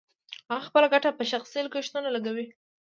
هغه خپله ګټه په شخصي لګښتونو لګوي